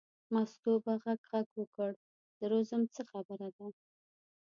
مستو په غږ غږ وکړ در وځم څه خبره ده.